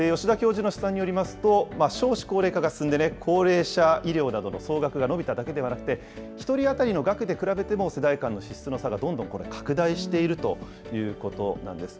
吉田教授の試算によりますと、少子高齢化が進んで、高齢者医療などの総額が伸びただけではなくて、１人当たりの額で比べても世代間の支出の差がどんどん拡大しているということなんです。